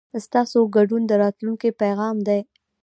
ستاسو ګډون د راتلونکي پیغام دی.